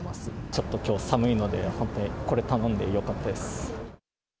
ちょっときょう寒いので、これ頼んでよかったです。